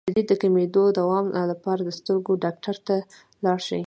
د لید د کمیدو د دوام لپاره د سترګو ډاکټر ته لاړ شئ